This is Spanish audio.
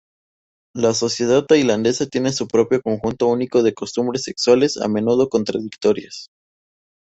La sociedad tailandesa tiene su propio conjunto único de costumbres sexuales a menudo contradictorias.